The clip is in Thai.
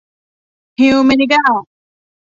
ฮิวแมนิก้า